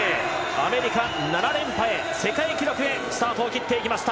アメリカ、７連覇へ世界記録へスタートを切っていきました。